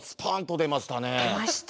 出ましたね。